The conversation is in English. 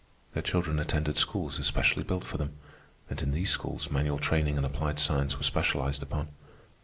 Their children attended schools especially built for them, and in these schools manual training and applied science were specialized upon.